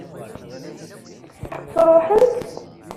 Sṛuḥen-t?